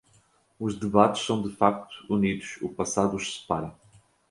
Os debates são de fato unidos; o passado os separa.